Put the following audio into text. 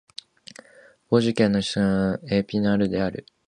ヴォージュ県の県都はエピナルである